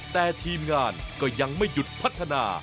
แต่ทีมงานก็ยังไม่หยุดพัฒนา